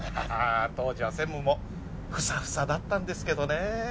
当時は専務もフサフサだったんですけどね